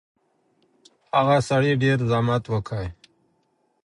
هغه سړي ډېر زحمت وکښی.